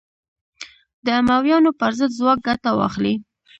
د امویانو پر ضد ځواک ګټه واخلي